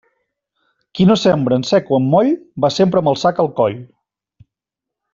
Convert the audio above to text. Qui no sembra en sec o en moll, va sempre amb el sac al coll.